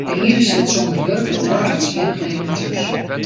De iene sit sûnder wurk, de oare hat swierrichheden thús.